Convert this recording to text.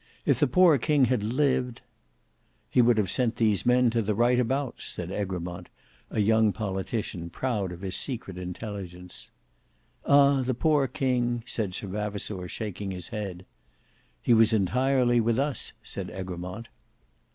If the poor king had lived—" "He would have sent these men to the right abouts;" said Egremont, a young politician, proud of his secret intelligence. "Ah! the poor king!" said Sir Vavasour, shaking his head. "He was entirely with us," said Egremont.